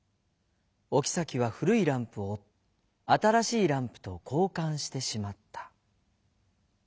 おきさきはふるいランプをあたらしいランプとこうかんしてしまった。